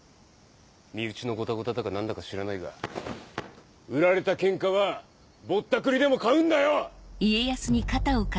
身内のゴタゴタだか何だか知らないが売られたケンカはぼったくりでも買うんだよ！